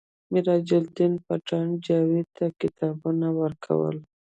میراج الدین پټان جاوید ته کتابونه ورکول